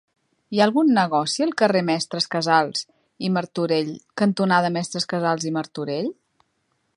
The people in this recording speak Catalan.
Hi ha algun negoci al carrer Mestres Casals i Martorell cantonada Mestres Casals i Martorell?